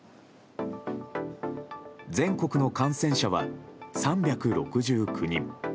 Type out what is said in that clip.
全国の感染者は３６９人。